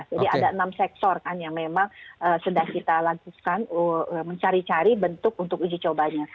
jadi ada enam sektor yang memang sudah kita lansuskan mencari cari bentuk untuk uji cobanya